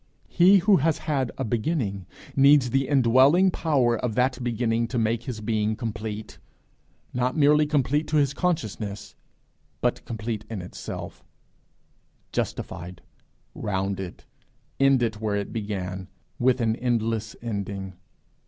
He who has had a beginning, needs the indwelling power of that beginning to make his being complete not merely complete to his consciousness, but complete in itself justified, rounded, ended where it began with an 'endless ending.'